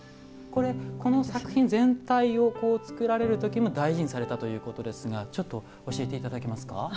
この作品全体を作られるときも大事にされたということですがちょっと教えていただけますか。